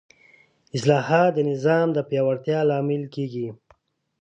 اصلاحات د نظام د پیاوړتیا لامل کېږي